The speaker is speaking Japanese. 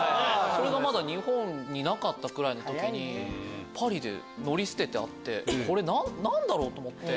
それがまだ日本になかったくらいの時にパリで乗り捨ててあってこれ何だろう？と思って。